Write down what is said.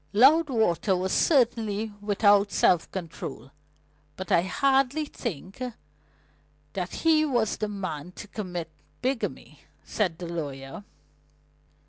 "Loudwater was certainly without self control; but I hardly think that he was the man to commit bigamy," said the lawyer.